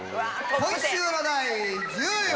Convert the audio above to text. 今週の第１０位は。